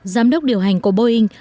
giám đốc điều hành của boeing